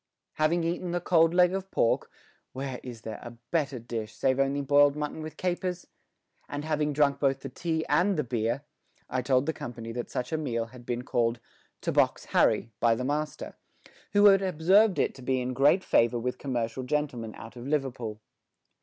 Having eaten the cold leg of pork where is there a better dish, save only boiled mutton with capers? and having drunk both the tea and the beer, I told the company that such a meal had been called "to box Harry" by the master, who had observed it to be in great favour with commercial gentlemen out of Liverpool.